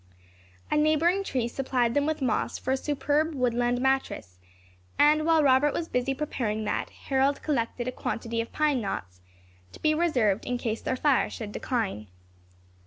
A neighbouring tree supplied them with moss for a superb woodland mattress, and while Robert was preparing that Harold collected a quantity of pine knots, to be reserved in case their fire should decline.